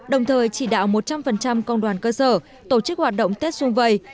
đồng thời chỉ đạo một trăm linh công đoàn cơ sở tổ chức hoạt động tết xung vầy